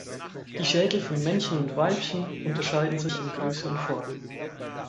Die Schädel von Männchen und Weibchen unterscheiden sich in Größe und Form.